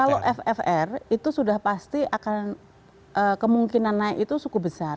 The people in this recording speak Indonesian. kalau ffr itu sudah pasti akan kemungkinan naik itu cukup besar